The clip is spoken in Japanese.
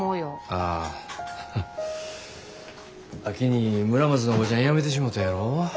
ああ秋に村松のおばちゃん辞めてしもたやろ。